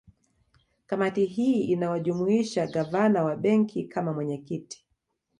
Kamati hii inawajumuisha Gavana wa Benki kama mwenyekiti